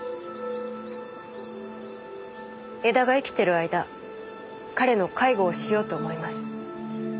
江田が生きてる間彼の介護をしようと思います。